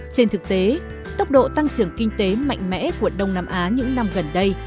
trên thực tế tốc độ tăng trưởng kinh tế mạnh mẽ của đông nam á những năm gần đây